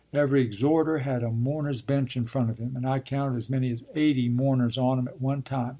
Every exhorter had a mourners' bench in front of him, and I counted as many as eighty mourners on 'em at one time.